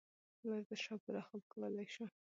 ورزش او پوره خوب کولے شو -